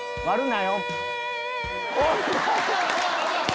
割るなよ！